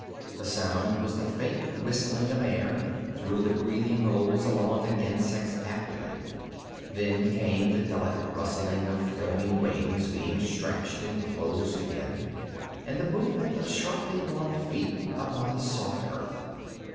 The sound was the faint whistling of air through the breathing holes along an insect's abdomen. Then came the delicate rustling of filmy wings being stretched and closed again, and the movement of sharply barbed feet upon the soft earth.